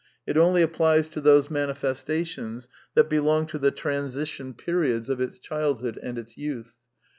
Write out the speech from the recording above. It only applies to those manifestations that belong to the transition periods of its childhood and its youth.